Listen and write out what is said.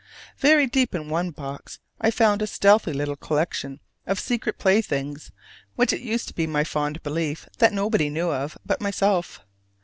Very deep in one box I found a stealthy little collection of secret playthings which it used to be my fond belief that nobody knew of but myself.